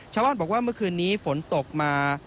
ชาวบ้านบอกว่าเมื่อคืนนี้ฝนตกมา